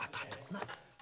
な？